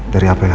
dari apa yang